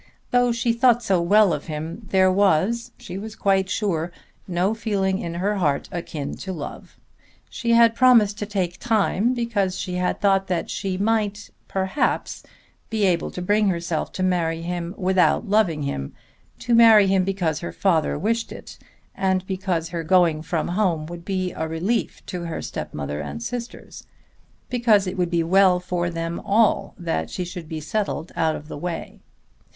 Though she thought so well of him there was, she was quite sure, no feeling in her heart akin to love. She had promised to take time because she had thought that she might perhaps be able to bring herself to marry him without loving him, to marry him because her father wished it, and because her going from home would be a relief to her stepmother and sisters, because it would be well for them all that she should be settled out of the way.